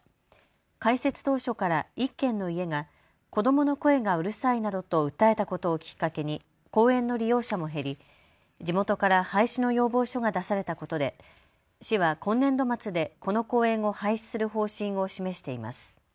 開設当初から１軒の家が子どもの声がうるさいなどと訴えたことをきっかけに公園の利用者も減り地元から廃止の要望書が出されたことで市は今年度末でこの公園を廃止する方針を示しています。